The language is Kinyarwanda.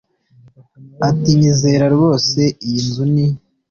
atinyizera rwose iyi nzu ni